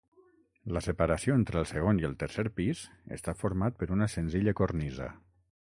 La separació entre el segon i el tercer pis està format per una senzilla cornisa.